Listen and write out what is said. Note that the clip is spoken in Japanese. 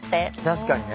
確かにね。